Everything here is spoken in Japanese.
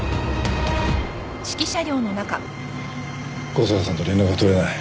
香坂さんと連絡が取れない。